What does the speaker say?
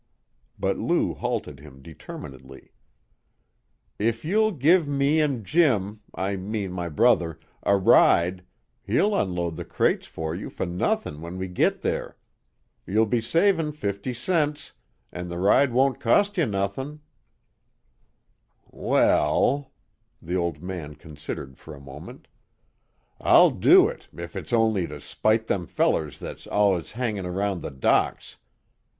But Lou halted him determinedly. "If you'll give me and Jim I mean my brother a ride, he'll unload the crates for you for nothin' when we git there. You'll be savin' fifty cents, and the ride won't cost you nothin'." "Well" the old man considered for a moment "I'll do it, if it's only to spite them fellers that's allus hangin' 'round the docks.